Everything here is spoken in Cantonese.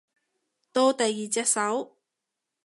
到第二隻手